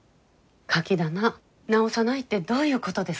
カキ棚直さないってどういうことですか？